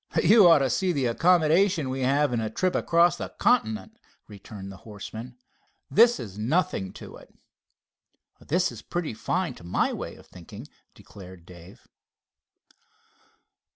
"You ought to see the accommodations we have in a trip across the continent," returned the horseman. "This is nothing to it." "This is pretty fine, to my way of thinking," declared Dave.